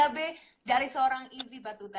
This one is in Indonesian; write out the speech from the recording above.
b dari seorang ivi batuta